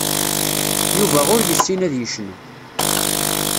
Yuba ur yessin ad yecnu.